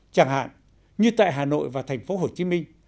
chẳng hạn như tại hà nội và thành phố hồ chí minh